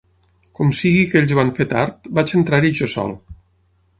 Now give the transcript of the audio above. Com sigui que ells van fer tard, vaig entrar-hi jo sol.